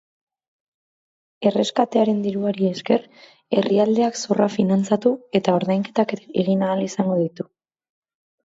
Erreskatearen diruari esker, herrialdeak zorra finantzatu eta ordainketak egin ahal izango ditu.